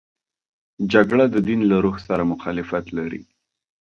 جګړه د دین له روح سره مخالفت لري